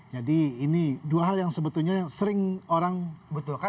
jadi ini dua hal yang sebetulnya sering orang mengatakan